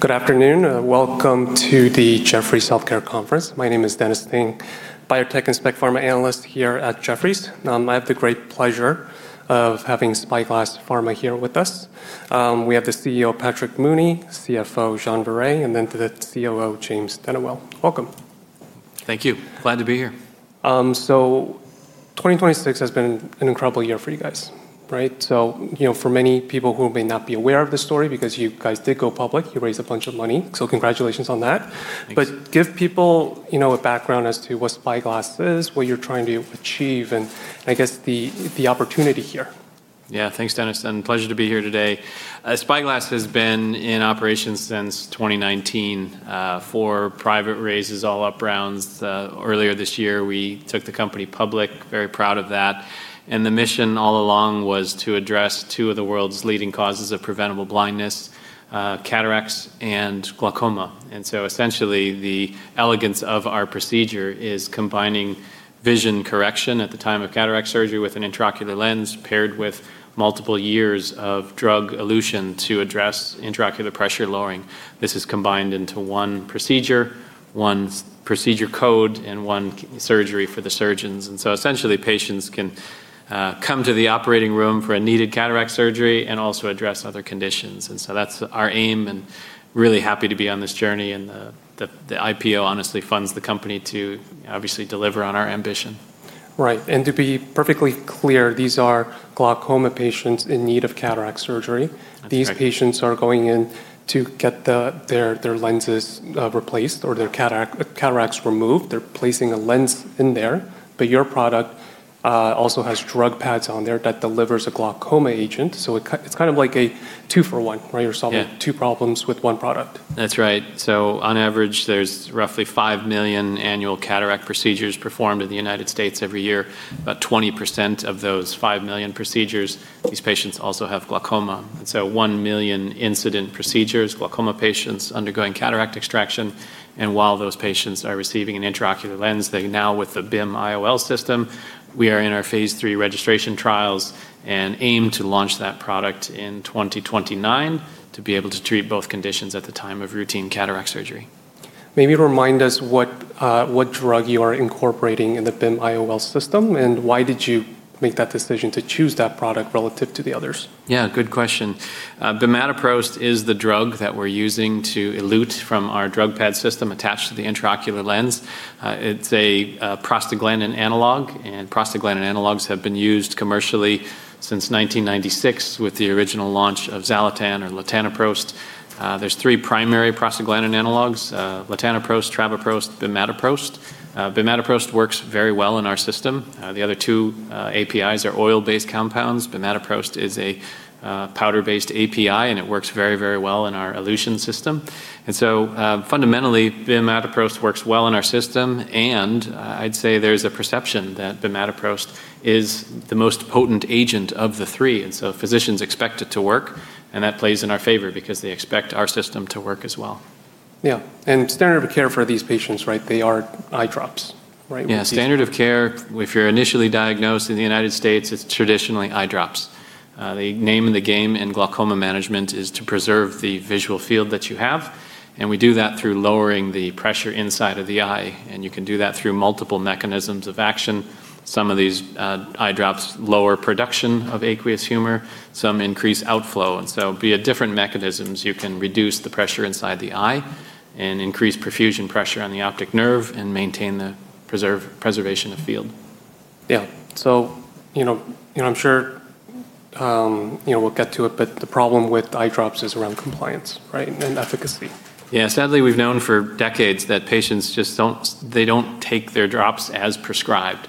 Good afternoon. Welcome to the Jefferies Healthcare Conference. My name is Dennis Tang, biotech and spec pharma analyst here at Jefferies. I have the great pleasure of having SpyGlass Pharma here with us. We have the CEO, Patrick Mooney, CFO, Jean-Frederic Viret, and then the COO, James Dennewill. Welcome. Thank you. Glad to be here. 2026 has been an incredible year for you guys. For many people who may not be aware of this story, because you guys did go public, you raised a bunch of money, so congratulations on that. Thanks. Give people a background as to what SpyGlass is, what you're trying to achieve, and I guess the opportunity here? Thanks, Dennis, pleasure to be here today. SpyGlass has been in operation since 2019 for private raises all up rounds. Earlier this year, we took the company public. Very proud of that. The mission all along was to address two of the world's leading causes of preventable blindness, cataracts, and glaucoma. Essentially, the elegance of our procedure is combining vision correction at the time of cataract surgery with an intraocular lens, paired with multiple years of drug elution to address intraocular pressure lowering. This is combined into one procedure, one procedure code, and one surgery for the surgeons. Essentially, patients can come to the operating room for a needed cataract surgery and also address other conditions. That's our aim, and really happy to be on this journey, and the IPO honestly funds the company to obviously deliver on our ambition. Right. To be perfectly clear, these are glaucoma patients in need of cataract surgery. That's right. These patients are going in to get their lenses replaced or their cataracts removed. They're placing a lens in there. Your product also has drug pads on there that delivers a glaucoma agent. It's kind of like a two for one. Yeah Solving two problems with one product. That's right. On average, there's roughly 5 million annual cataract procedures performed in the U.S. every year. About 20% of those 5 million procedures, these patients also have glaucoma. 1 million incident procedures, glaucoma patients undergoing cataract extraction, and while those patients are receiving an intraocular lens, they now with the BIM-IOL system, we are in our phase III registration trials and aim to launch that product in 2029 to be able to treat both conditions at the time of routine cataract surgery. Maybe remind us what drug you are incorporating in the BIM-IOL system, and why did you make that decision to choose that product relative to the others? Good question. bimatoprost is the drug that we're using to elute from our drug pad system attached to the intraocular lens. It's a prostaglandin analog, prostaglandin analogs have been used commercially since 1996 with the original launch of XALATAN or latanoprost. There's three primary prostaglandin analogs, latanoprost, travoprost, bimatoprost. bimatoprost works very well in our system. The other two APIs are oil-based compounds. bimatoprost is a powder-based API, it works very well in our elution system. Fundamentally, bimatoprost works well in our system, I'd say there's a perception that bimatoprost is the most potent agent of the three, physicians expect it to work, that plays in our favor because they expect our system to work as well. Yeah. Standard of care for these patients, they are eye drops. Right? Yeah, standard of care, if you're initially diagnosed in the U.S., it's traditionally eye drops. The name in the game in glaucoma management is to preserve the visual field that you have, and we do that through lowering the pressure inside of the eye, and you can do that through multiple mechanisms of action. Some of these eye drops lower production of aqueous humor, some increase outflow, via different mechanisms, you can reduce the pressure inside the eye and increase perfusion pressure on the optic nerve and maintain the preservation of field. Yeah. I'm sure we'll get to it, but the problem with eye drops is around compliance and efficacy. Yeah. Sadly, we've known for decades that patients just don't take their drops as prescribed.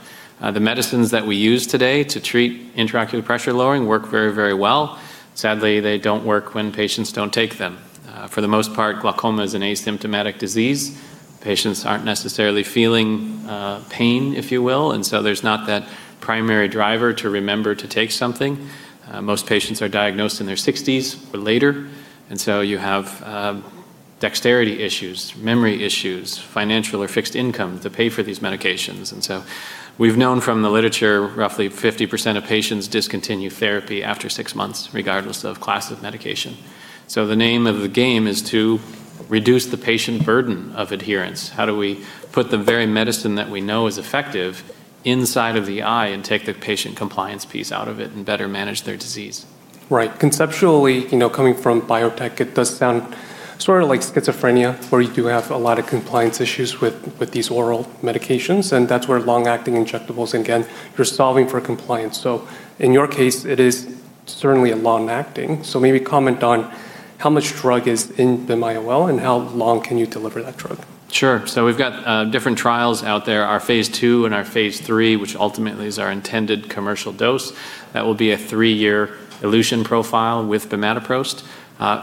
The medicines that we use today to treat intraocular pressure lowering work very well. Sadly, they don't work when patients don't take them. For the most part, glaucoma is an asymptomatic disease. Patients aren't necessarily feeling pain, if you will, there's not that primary driver to remember to take something. Most patients are diagnosed in their 60s or later, you have dexterity issues, memory issues, financial or fixed income to pay for these medications. We've known from the literature, roughly 50% of patients discontinue therapy after six months, regardless of class of medication. The name of the game is to reduce the patient burden of adherence. How do we put the very medicine that we know is effective inside of the eye and take the patient compliance piece out of it and better manage their disease? Right. Conceptually, coming from biotech, it does sound sort of like schizophrenia, where you do have a lot of compliance issues with these oral medications, and that's where long-acting injectables, again, you're solving for compliance. In your case, it is certainly a long-acting. Maybe comment on how much drug is in the IOL and how long can you deliver that drug? Sure. We've got different trials out there. Our phase II and our phase III, which ultimately is our intended commercial dose. That will be a 3-year elution profile with bimatoprost.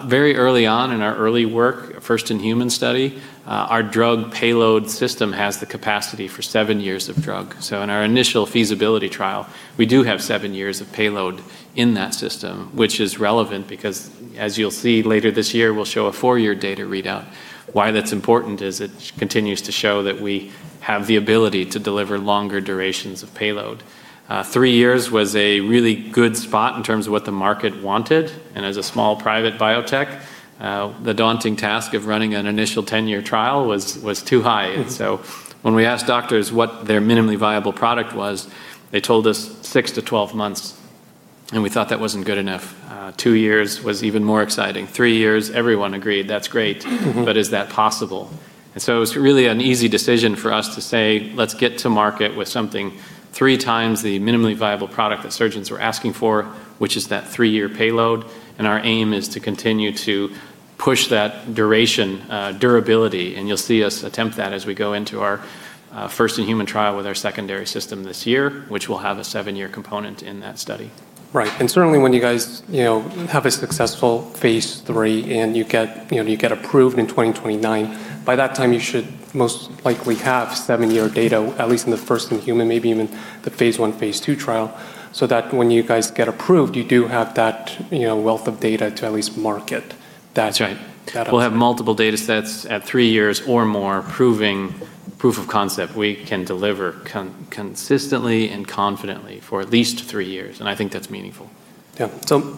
Very early on in our early work, first in human study, our drug payload system has the capacity for seven years of drug. In our initial feasibility trial, we do have seven years of payload in that system, which is relevant because as you'll see later this year, we'll show a four-year data readout. Why that's important is it continues to show that we have the ability to deliver longer durations of payload. Three years was a really good spot in terms of what the market wanted, and as a small private biotech, the daunting task of running an initial 10-year trial was too high. When we asked doctors what their minimally viable product was, they told us six to 12 months. We thought that wasn't good enough. Two years was even more exciting. Three years, everyone agreed that's great, but is that possible? It was really an easy decision for us to say, let's get to market with something three times the minimally viable product that surgeons were asking for, which is that three-year payload, and our aim is to continue to push that duration durability. You'll see us attempt that as we go into our first-in-human trial with our secondary system this year, which will have a seven-year component in that study. Right. Certainly when you guys have a successful phase III and you get approved in 2029, by that time, you should most likely have seven-year data, at least in the first-in-human, maybe even the phase I, phase II trial, so that when you guys get approved, you do have that wealth of data to at least market. That's right. That- We'll have multiple data sets at three years or more proving proof of concept. We can deliver consistently and confidently for at least three years, and I think that's meaningful. Yeah.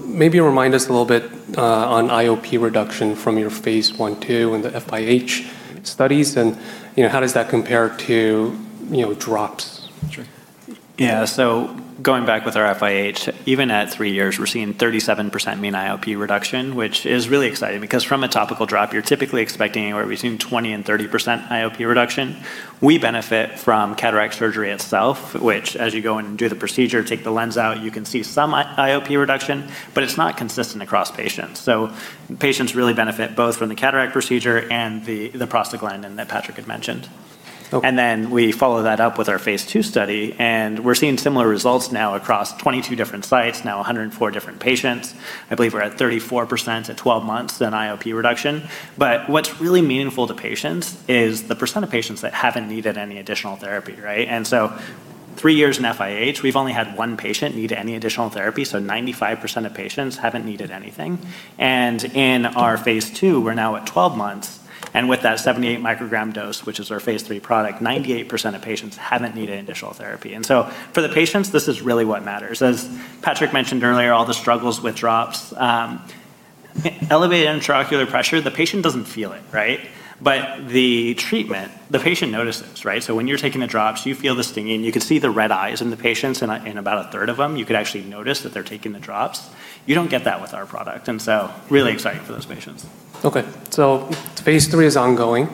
Maybe remind us a little bit, on IOP reduction from your phase I, II and the FIH studies, and how does that compare to drops? Sure. Yeah. Going back with our FIH, even at three years, we're seeing 37% mean IOP reduction, which is really exciting because from a topical drop, you're typically expecting or we've seen 20 and 30% IOP reduction. We benefit from cataract surgery itself, which as you go in and do the procedure, take the lens out, you can see some IOP reduction, but it's not consistent across patients. Patients really benefit both from the cataract procedure and the prostaglandin that Patrick had mentioned. Okay. We follow that up with our phase II study, we're seeing similar results now across 22 different sites, now 104 different patients. I believe we're at 34% at 12 months in IOP reduction. What's really meaningful to patients is the % of patients that haven't needed any additional therapy, right? Three years in FIH, we've only had one patient need any additional therapy, so 95% of patients haven't needed anything. In our phase II, we're now at 12 months, with that 78 microgram dose, which is our phase III product, 98% of patients haven't needed initial therapy. For the patients, this is really what matters. As Patrick mentioned earlier, all the struggles with drops. Elevated intraocular pressure, the patient doesn't feel it, right? The treatment, the patient notices, right? When you're taking the drops, you feel the stinging. You could see the red eyes in the patients, in about a third of them, you could actually notice that they're taking the drops. You don't get that with our product and so really exciting for those patients. Okay. Phase III is ongoing.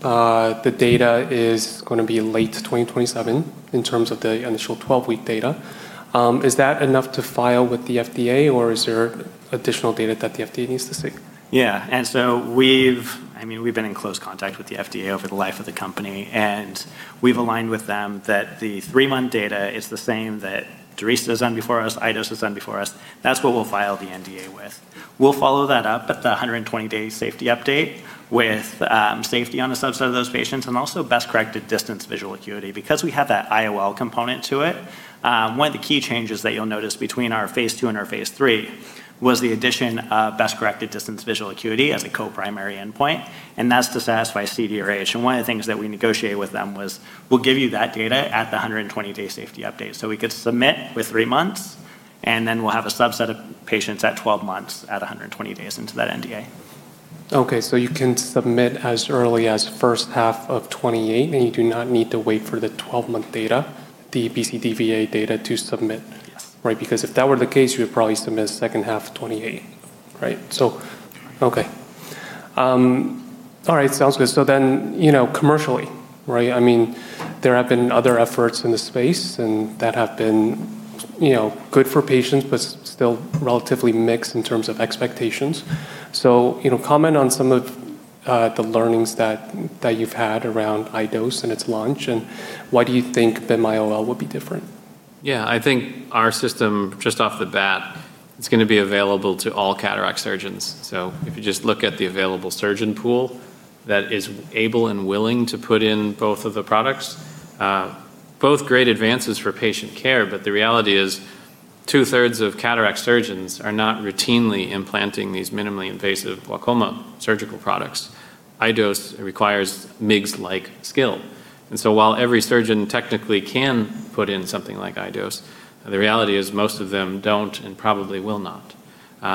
The data is going to be late 2027 in terms of the initial 12-week data. Is that enough to file with the FDA or is there additional data that the FDA needs to see? Yeah. We've been in close contact with the FDA over the life of the company, and we've aligned with them that the three-month data is the same that Durysta has done before us, iDose has done before us. That's what we'll file the NDA with. We'll follow that up at the 120-day safety update with safety on a subset of those patients and also best corrected distance visual acuity. Because we have that IOL component to it, one of the key changes that you'll notice between our phase II and our phase III was the addition of best corrected distance visual acuity as a co-primary endpoint, and that's to satisfy CDRH. One of the things that we negotiated with them was, "We'll give you that data at the 120-day safety update." We could submit with three months, and then we'll have a subset of patients at 12 months at 120 days into that NDA. You can submit as early as first half of 2028, and you do not need to wait for the 12-month data, the BCDVA data to submit. Yes. Right. Because if that were the case, you would probably submit second half 2028. Right? Okay. All right, sounds good. Commercially, right, there have been other efforts in the space and that have been good for patients, but still relatively mixed in terms of expectations. Comment on some of the learnings that you've had around iDose and its launch, and why do you think the BIM-IOL would be different? Yeah. I think our system, just off the bat, it's going to be available to all cataract surgeons. If you just look at the available surgeon pool that is able and willing to put in both of the products, both great advances for patient care, but the reality is two-thirds of cataract surgeons are not routinely implanting these minimally invasive glaucoma surgical products. iDose requires MIGS-like skill. While every surgeon technically can put in something like iDose, the reality is most of them don't and probably will not.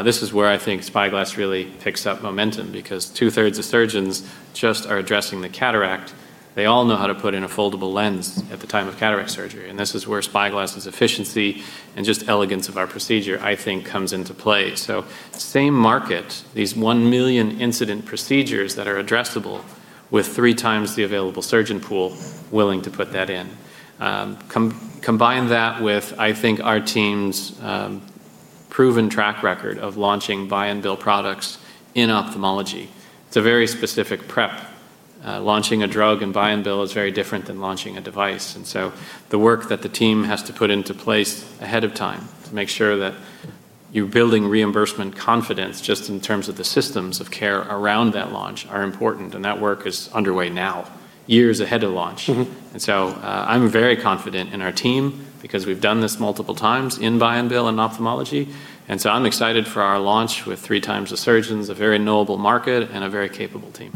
This is where I think SpyGlass really picks up momentum because two-thirds of surgeons just are addressing the cataract. They all know how to put in a foldable lens at the time of cataract surgery, this is where SpyGlass' efficiency and just elegance of our procedure, I think, comes into play. Same market, these 1 million incident procedures that are addressable with three times the available surgeon pool willing to put that in. Combine that with, I think, our team's proven track record of launching buy-and-bill products in ophthalmology. It's a very specific prep. Launching a drug in buy-and-bill is very different than launching a device, and so the work that the team has to put into place ahead of time to make sure that you're building reimbursement confidence just in terms of the systems of care around that launch are important, and that work is underway now, years ahead of launch. I'm very confident in our team because we've done this multiple times in buy-and-bill and ophthalmology. I'm excited for our launch with three times the surgeons, a very knowable market, and a very capable team.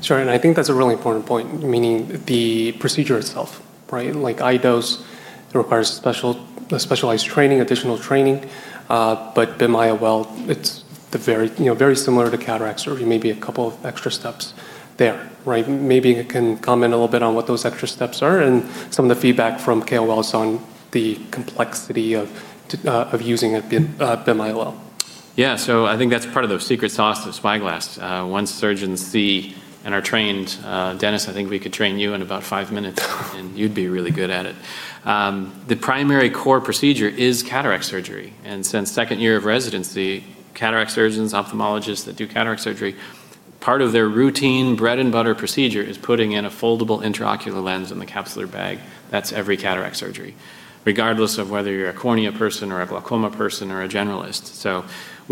Sure, I think that's a really important point, meaning the procedure itself, right? Like iDose, it requires specialized training, additional training, but the BIM-IOL, it's very similar to cataract surgery, maybe a couple of extra steps there, right? Maybe you can comment a little bit on what those extra steps are and some of the feedback from KOLs on the complexity of using a BIM-IOL. Yeah. I think that's part of the secret sauce of SpyGlass. Once surgeons see and are trained, Dennis, I think we could train you in about five minutes and you'd be really good at it. The primary core procedure is cataract surgery, and since second year of residency, cataract surgeons, ophthalmologists that do cataract surgery, part of their routine bread-and-butter procedure is putting in a foldable intraocular lens in the capsular bag. That's every cataract surgery, regardless of whether you're a cornea person or a glaucoma person or a generalist.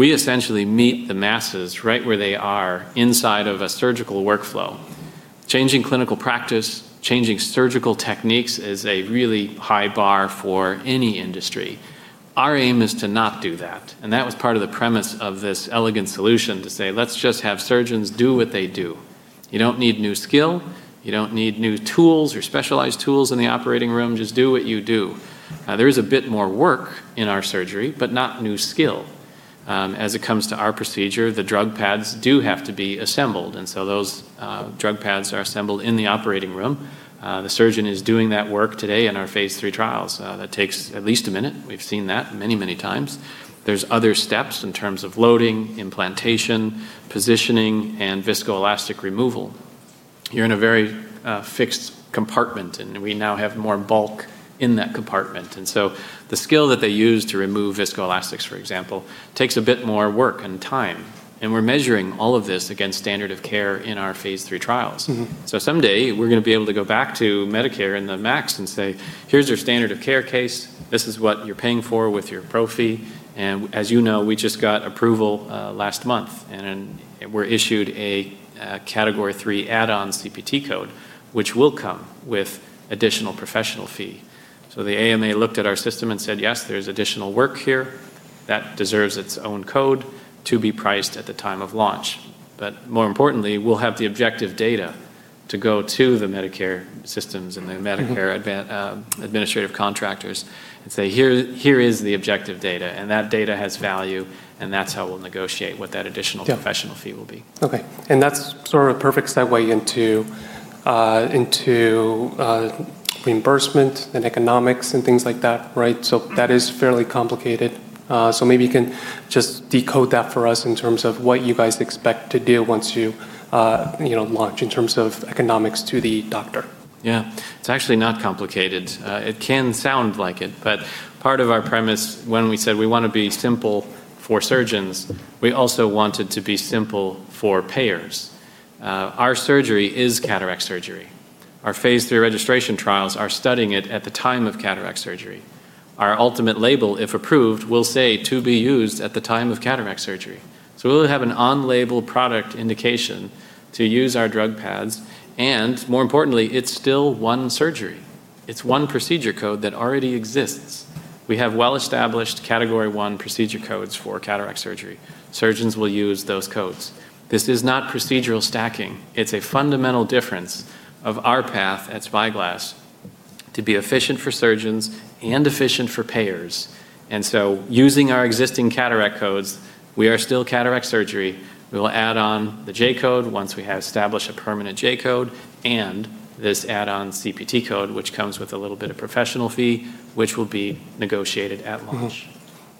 We essentially meet the masses right where they are inside of a surgical workflow. Changing clinical practice, changing surgical techniques is a really high bar for any industry. Our aim is to not do that, and that was part of the premise of this elegant solution, to say let's just have surgeons do what they do. You don't need new skill. You don't need new tools or specialized tools in the operating room. Just do what you do. There is a bit more work in our surgery, but not new skill. As it comes to our procedure, the drug pads do have to be assembled, and so those drug pads are assembled in the operating room. The surgeon is doing that work today in our phase III trials. That takes at least a minute. We've seen that many, many times. There's other steps in terms of loading, implantation, positioning, and viscoelastic removal. You're in a very fixed compartment, and we now have more bulk in that compartment. The skill that they use to remove viscoelastics, for example, takes a bit more work and time, and we're measuring all of this against standard of care in our phase III trials. Someday we're going to be able to go back to Medicare and the MACs and say, "Here's your standard of care case. This is what you're paying for with your ProFee." As you know, we just got approval last month, and we're issued a Category III add-on CPT code, which will come with additional professional fee. The AMA looked at our system and said, "Yes, there's additional work here. That deserves its own code to be priced at the time of launch." More importantly, we'll have the objective data to go to the Medicare systems and the Medicare Administrative Contractors and say, "Here is the objective data," and that data has value, and that's how we'll negotiate. Yeah Professional fee will be. Okay. That's sort of a perfect segue into reimbursement and economics and things like that, right? That is fairly complicated. Maybe you can just decode that for us in terms of what you guys expect to do once you launch in terms of economics to the doctor. Yeah. It's actually not complicated. It can sound like it, but part of our premise when we said we want to be simple for surgeons, we also wanted to be simple for payers. Our surgery is cataract surgery. Our phase III registration trials are studying it at the time of cataract surgery. Our ultimate label, if approved, will say to be used at the time of cataract surgery. We'll have an on-label product indication to use our drug pads, and more importantly, it's still one surgery. It's one procedure code that already exists. We have well-established Category I CPT codes for cataract surgery. Surgeons will use those codes. This is not procedural stacking. It's a fundamental difference of our path at SpyGlass to be efficient for surgeons and efficient for payers. Using our existing cataract codes, we are still cataract surgery. We will add on the J-code once we have established a permanent J-code and this add-on CPT code, which comes with a little bit of professional fee, which will be negotiated at launch.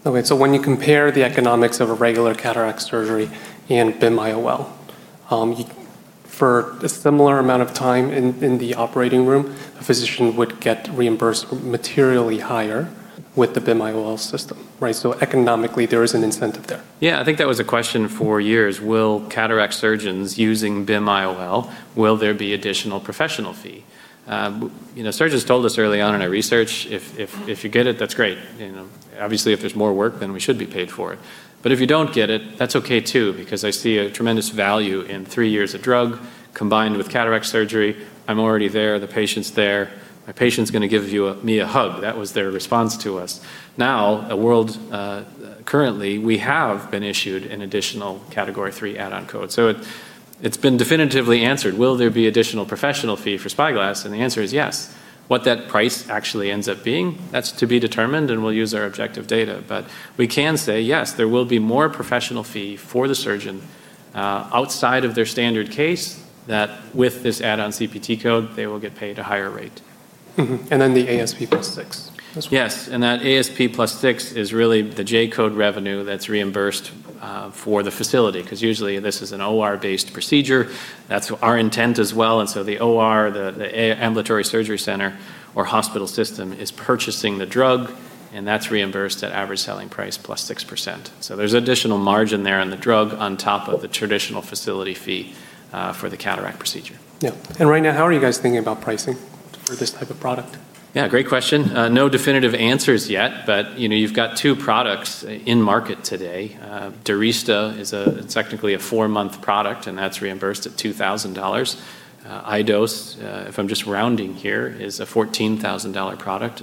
Okay, when you compare the economics of a regular cataract surgery and BIM-IOL, for a similar amount of time in the operating room, a physician would get reimbursed materially higher with the BIM-IOL system. Right? Economically, there is an incentive there. Yeah, I think that was a question for years. Will cataract surgeons using BIM-IOL, will there be additional professional fee? Surgeons told us early on in our research, "If you get it, that's great. Obviously, if there's more work, we should be paid for it. If you don't get it, that's okay, too, because I see a tremendous value in three years of drug combined with cataract surgery. I'm already there. The patient's there. My patient's going to give me a hug." That was their response to us. Now, currently, we have been issued an additional Category III add-on code. It's been definitively answered. Will there be additional professional fee for SpyGlass? The answer is yes. What that price actually ends up being, that's to be determined, we'll use our objective data. We can say yes, there will be more professional fee for the surgeon, outside of their standard case, that with this add-on CPT code, they will get paid a higher rate. Mm-hmm. Then the ASP plus 6% as well. Yes. That ASP plus 6% is really the J code revenue that's reimbursed for the facility because usually this is an OR-based procedure. That's our intent as well. The OR, the ambulatory surgery center or hospital system is purchasing the drug, and that's reimbursed at average selling price plus 6%. There's additional margin there on the drug on top of the traditional facility fee for the cataract procedure. Yeah. Right now, how are you guys thinking about pricing for this type of product? Yeah, great question. No definitive answers yet, but you've got two products in market today. Durysta is technically a 4-month product, and that's reimbursed at $2,000. iDose, if I'm just rounding here, is a $14,000 product.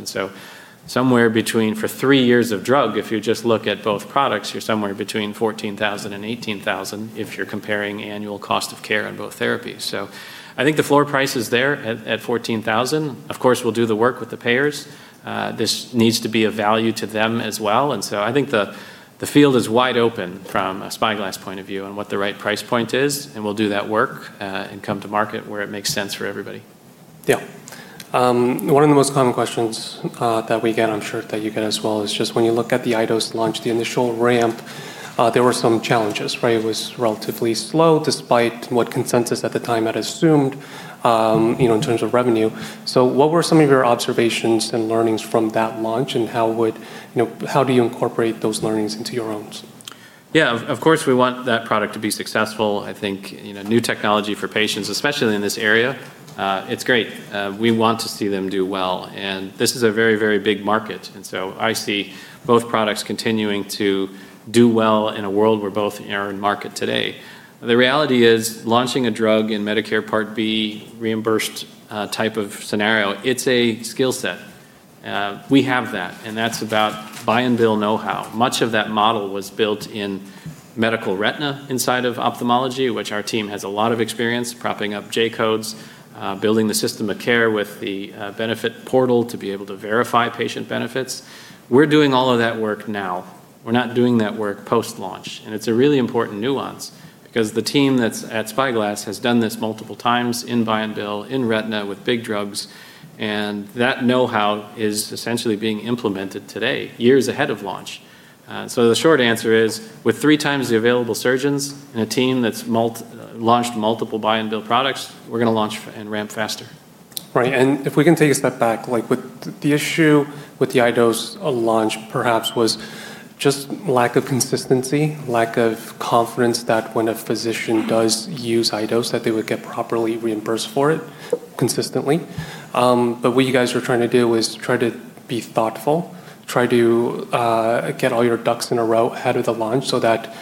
Somewhere between, for three years of drug, if you just look at both products, you're somewhere between $14,000-$18,000 if you're comparing annual cost of care on both therapies. I think the floor price is there at $14,000. Of course, we'll do the work with the payers. This needs to be of value to them as well. I think the field is wide open from a SpyGlass point of view on what the right price point is, and we'll do that work and come to market where it makes sense for everybody. One of the most common questions that we get, I'm sure that you get as well, is just when you look at the iDose TR launch, the initial ramp, there were some challenges, right? It was relatively slow, despite what consensus at the time had assumed, in terms of revenue. What were some of your observations and learnings from that launch and how do you incorporate those learnings into your owns? Yeah, of course, we want that product to be successful. I think, new technology for patients, especially in this area, it's great. We want to see them do well. This is a very, very big market, and so I see both products continuing to do well in a world where both are in market today. The reality is launching a drug in Medicare Part B reimbursed type of scenario, it's a skill set. We have that, and that's about buy-and-bill know-how. Much of that model was built in medical retina inside of ophthalmology, which our team has a lot of experience propping up J codes, building the system of care with the benefit portal to be able to verify patient benefits. We're doing all of that work now. We're not doing that work post-launch. It's a really important nuance because the team that's at SpyGlass Pharma has done this multiple times in buy-and-bill, in retina with big drugs, and that know-how is essentially being implemented today, years ahead of launch. The short answer is, with three times the available surgeons and a team that's launched multiple buy-and-bill products, we're going to launch and ramp faster. Right. If we can take a step back, the issue with the iDose launch perhaps was just lack of consistency, lack of confidence that when a physician does use iDose, that they would get properly reimbursed for it consistently. What you guys were trying to do was try to be thoughtful, try to get all your ducks in a row ahead of the launch so that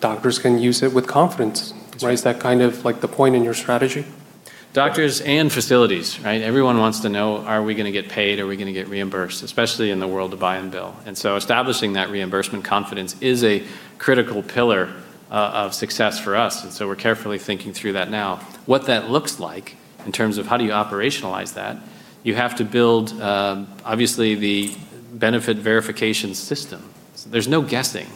doctors can use it with confidence. Is that kind of the point in your strategy? Doctors and facilities, right? Everyone wants to know, are we going to get paid? Are we going to get reimbursed? Especially in the world of buy-and-bill. Establishing that reimbursement confidence is a critical pillar of success for us, and so we're carefully thinking through that now. What that looks like in terms of how do you operationalize that, you have to build, obviously, the benefit verification system. There's no guessing.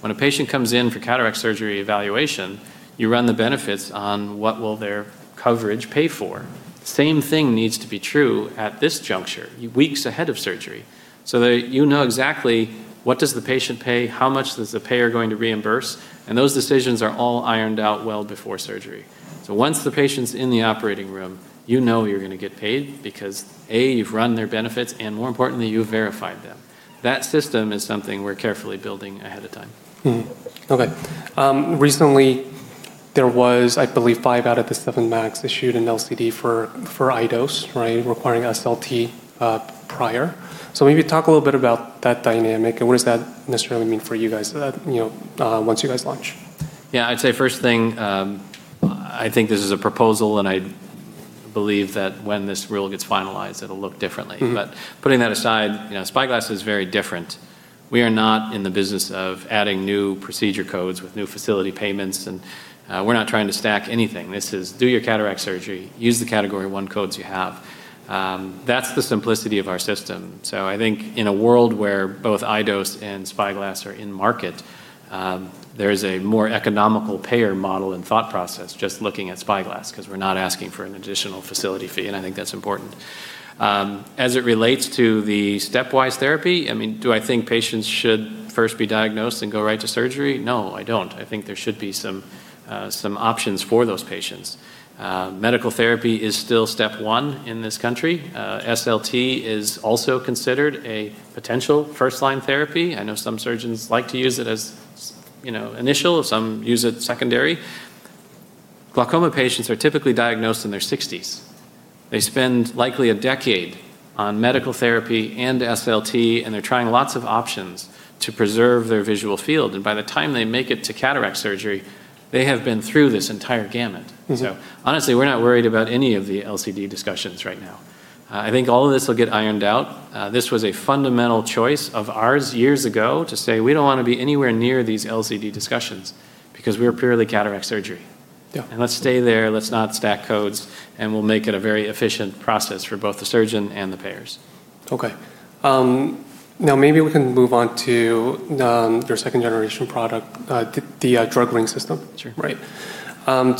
When a patient comes in for cataract surgery evaluation, you run the benefits on what will their coverage pay for. Same thing needs to be true at this juncture, weeks ahead of surgery, so that you know exactly what does the patient pay, how much does the payer going to reimburse, and those decisions are all ironed out well before surgery. Once the patient's in the operating room, you know you're going to get paid because, A, you've run their benefits, and more importantly, you've verified them. That system is something we're carefully building ahead of time. Okay. Recently, there was, I believe, five out of the seven MACs issued an LCD for iDose, right, requiring SLT prior. Maybe talk a little bit about that dynamic and what does that necessarily mean for you guys, once you guys launch? Yeah. I'd say first thing, I think this is a proposal and I believe that when this rule gets finalized, it'll look differently. Putting that aside, SpyGlass is very different. We are not in the business of adding new procedure codes with new facility payments, and we're not trying to stack anything. This is do your cataract surgery, use the Category I codes you have. That's the simplicity of our system. I think in a world where both iDose and SpyGlass are in market, there is a more economical payer model and thought process just looking at SpyGlass because we're not asking for an additional facility fee, and I think that's important. As it relates to the stepwise therapy, do I think patients should first be diagnosed then go right to surgery? No, I don't. I think there should be some options for those patients. Medical therapy is still step one in this country. SLT is also considered a potential first-line therapy. I know some surgeons like to use it as initial, some use it secondary. Glaucoma patients are typically diagnosed in their 60s. They spend likely a decade on medical therapy and SLT, and they're trying lots of options to preserve their visual field. By the time they make it to cataract surgery, they have been through this entire gamut. Honestly, we're not worried about any of the LCD discussions right now. I think all of this will get ironed out. This was a fundamental choice of ours years ago to say we don't want to be anywhere near these LCD discussions because we are purely cataract surgery. Yeah. Let's stay there, let's not stack codes, and we'll make it a very efficient process for both the surgeon and the payers. Okay. Now maybe we can move on to your second-generation product, the Bimatoprost-Drug Ring System. Sure. Right.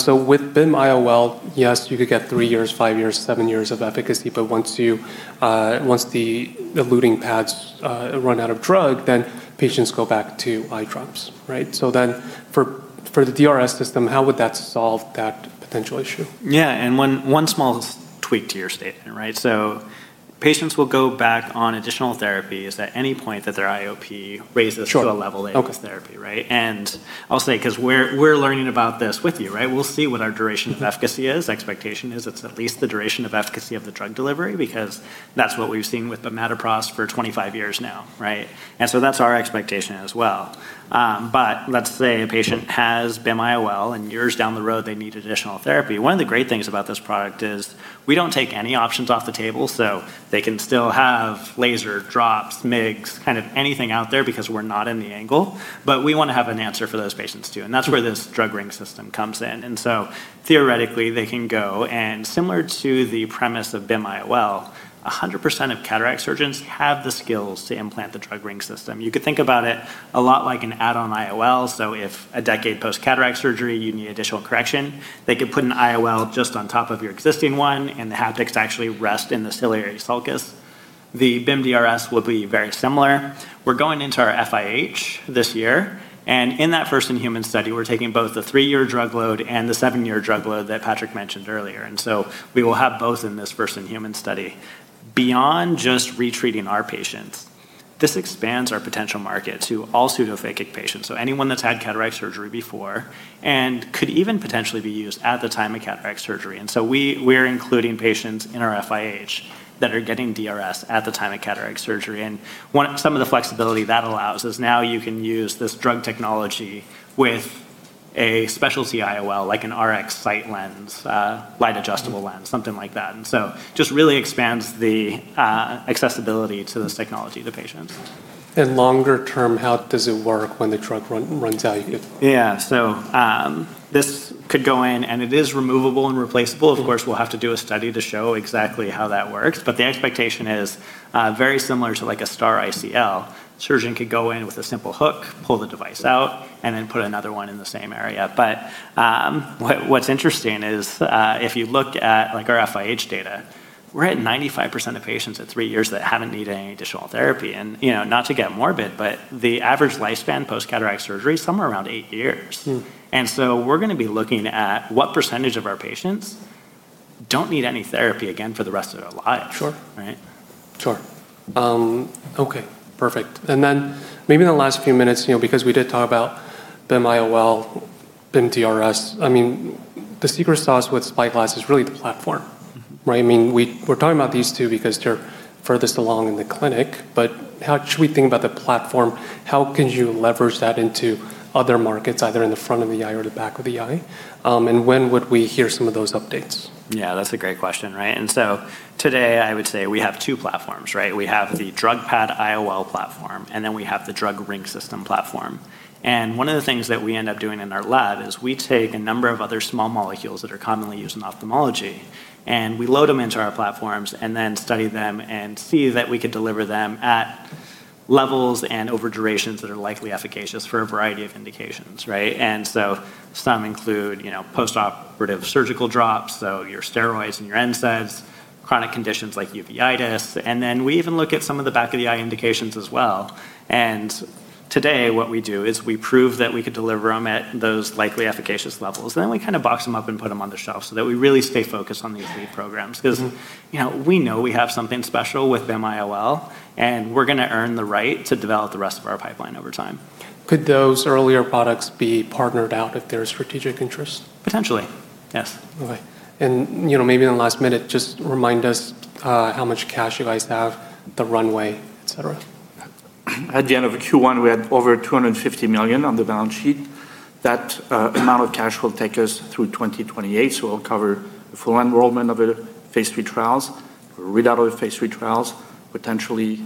With BIM-IOL, yes, you could get three years, five years, seven years of efficacy. Once the drug pads run out of drug, then patients go back to eye drops. Right? For the BIM-DRS system, how would that solve that potential issue? Yeah. One small tweak to your statement, right. Patients will go back on additional therapies at any point that their IOP rises to a level. Okay Need therapy. I'll say, because we're learning about this with you, right? We'll see what our duration of efficacy is. Expectation is it's at least the duration of efficacy of the drug delivery because that's what we've seen with the latanoprost for 25 years now. Right? That's our expectation as well. Let's say a patient has BIM-IOL, and years down the road, they need additional therapy. One of the great things about this product is we don't take any options off the table, so they can still have laser drops, MIGS, kind of anything out there because we're not in the angle. We want to have an answer for those patients, too, and that's where this Bimatoprost-Drug Ring System comes in. Theoretically, they can go and similar to the premise of BIM-IOL, 100% of cataract surgeons have the skills to implant the Bimatoprost-Drug Ring System. You could think about it a lot like an add-on IOL. If a decade post-cataract surgery, you need additional correction, they could put an IOL just on top of your existing one, and the haptics actually rest in the ciliary sulcus. The BIM-DRS will be very similar. We're going into our FIH this year, and in that first-in-human study, we're taking both the three-year drug load and the seven-year drug load that Patrick mentioned earlier. We will have both in this first-in-human study. Beyond just re-treating our patients, this expands our potential market to all pseudophakic patients, so anyone that's had cataract surgery before, and could even potentially be used at the time of cataract surgery. We're including patients in our FIH that are getting DRS at the time of cataract surgery. Some of the flexibility that allows is now you can use this drug technology with a specialty IOL, like an RxSight Light Adjustable Lens, Light Adjustable Lens, something like that. Just really expands the accessibility to this technology to patients. Longer term, how does it work when the drug runs out? Yeah. This could go in, and it is removable and replaceable. Of course, we'll have to do a study to show exactly how that works. The expectation is, very similar to like a STAAR ICL, surgeon could go in with a simple hook, pull the device out, and then put another one in the same area. What's interesting is, if you look at our FIH data, we're at 95% of patients at three years that haven't needed any additional therapy. Not to get morbid, but the average lifespan post-cataract surgery is somewhere around eight years. We're going to be looking at what percentage of our patients don't need any therapy again for the rest of their lives. Sure. Right? Sure. Okay, perfect. Maybe in the last few minutes, because we did talk about BIM-IOL, BIM-DRS, the secret sauce with SpyGlass Pharma is really the platform, right? We're talking about these two because they're furthest along in the clinic, but how should we think about the platform? How could you leverage that into other markets, either in the front of the eye or the back of the eye? When would we hear some of those updates? Yeah, that's a great question, right? Today, I would say we have two platforms, right? We have the drug pad IOL platform, and then we have the Bimatoprost-Drug Ring System platform. One of the things that we end up doing in our lab is we take a number of other small molecules that are commonly used in ophthalmology, and we load them into our platforms and then study them and see that we could deliver them at levels and over durations that are likely efficacious for a variety of indications, right? Some include postoperative surgical drops, so your steroids and your NSAIDs, chronic conditions like uveitis, and then we even look at some of the back-of-the-eye indications as well. Today, what we do is we prove that we could deliver them at those likely efficacious levels. Then we kind of box them up and put them on the shelf so that we really stay focused on these lead programs. We know we have something special with BIM-IOL, and we're going to earn the right to develop the rest of our pipeline over time. Could those earlier products be partnered out if there's strategic interest? Potentially, yes. Okay. Maybe in the last minute, just remind us how much cash you guys have, the runway, et cetera. At the end of Q1, we had over $250 million on the balance sheet. That amount of cash will take us through 2028, so it will cover the full enrollment of the phase III trials, readout of the phase III trials, potentially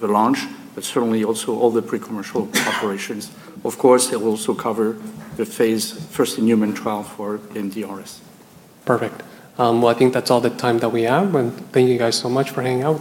the launch, but certainly also all the pre-commercial operations. Of course, it will also cover the phase first-in-human trial for BIM-DRS. Perfect. Well, I think that's all the time that we have, and thank you guys so much for hanging out with us.